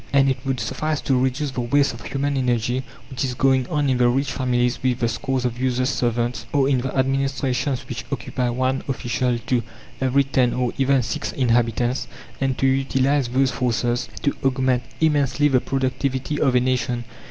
And it would suffice to reduce the waste of human energy which is going on in the rich families with the scores of useless servants, or in the administrations which occupy one official to every ten or even six inhabitants, and to utilize those forces, to augment immensely the productivity of a nation.